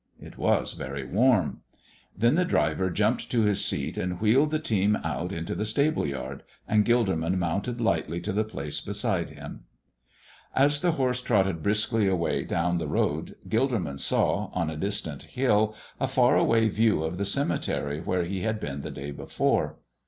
It was very warm. Then the driver jumped to his seat and wheeled the team out into the stable yard, and Gilderman mounted lightly to the place beside him. As the horse trotted briskly away down the road Gilderman saw, on a distant hill, a far away view of the cemetery where he had been the day before.